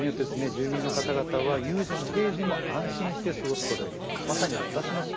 これによって住民の方々は有事でも平時でも安心して過ごせることができる。